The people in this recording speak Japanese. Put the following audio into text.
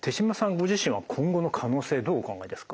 ご自身は今後の可能性どうお考えですか？